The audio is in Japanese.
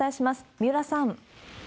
三浦さん。